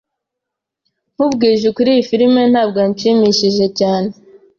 Nkubwije ukuri, iyo film ntabwo yanshimishije cyane.